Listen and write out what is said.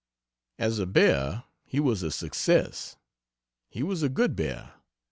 ] As a bear, he was a success he was a good bear